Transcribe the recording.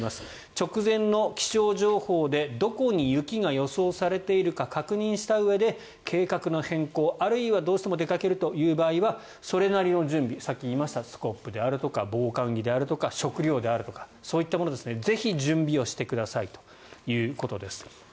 直前の気象情報でどこに雪が予想されているか確認したうえで、計画の変更あるいはどうしても出かけるという場合はそれなりの準備さっき言いましたスコップであるとか防寒着であるとか食料であるとかそういったものをぜひ準備してくださいということです。